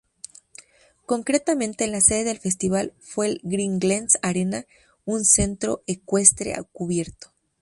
Concretamente la sede del festival fue el Green Glens Arena, un centro ecuestre cubierto.